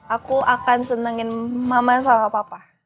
aku akan senengin mama sama papa